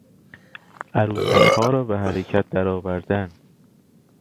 عروسکها را به حرکت درآوردن